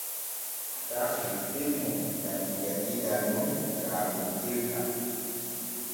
Taa bonpen mo gam diga ƴiiƴan nun ne raaɓontirta.